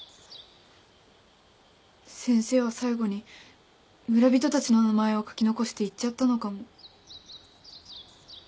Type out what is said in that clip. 先生は最後に村人たちの名前を書き残して行っちゃったのかも。